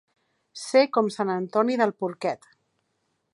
Ser com sant Antoni del porquet.